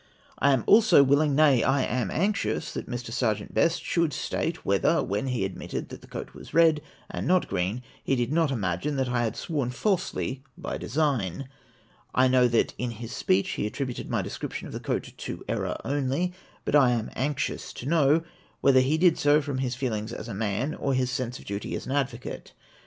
I am also willing, nay, I am anxious, that Mr. Serjeant Best should state, whether, when he admitted that the coat was red, and not green, he did not imagine that I had sworn falsely by design ? I know that in his speech he attributed my descrip tion of the coat to error only, but I am anxious to know whether he did so from his feelings as a man or his sense of duty as an advocate